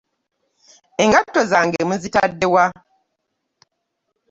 Engatto zange muzitadde wa?